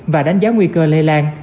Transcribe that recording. và đánh giá nguy cơ lây lan